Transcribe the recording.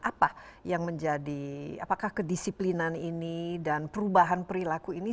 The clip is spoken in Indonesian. apa yang menjadi apakah kedisiplinan ini dan perubahan perilaku ini